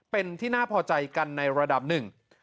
เป็นที่น่าพอใจกันในระดับหนึ่ง